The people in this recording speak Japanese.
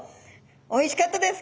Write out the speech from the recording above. おいしかったです。